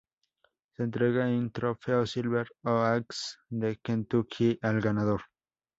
Se entrega un trofeo Silver Oaks de Kentucky al ganador.